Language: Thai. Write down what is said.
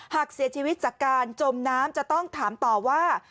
หากเสียชีวิตจากการจมน้ำจะต้องถามต่อว่า